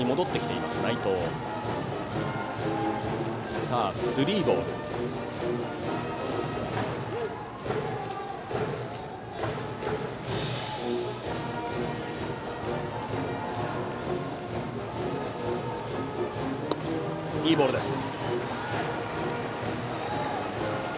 いいボールです。